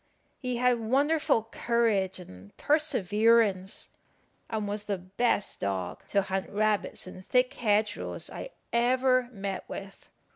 He had wonderful courage and perseverance, and was the best dog to hunt rabbits in thick hedge rows I ever met with.